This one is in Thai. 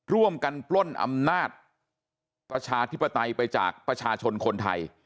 ปล้นอำนาจประชาธิปไตยไปจากประชาชนคนไทย